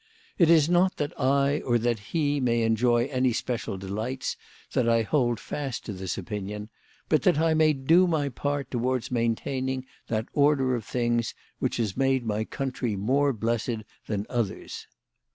It is not that I or that he may enjoy any special delights that I hold fast to this opinion, but that I may do my part towards maintaining that order of things which has made my country more blessed than others.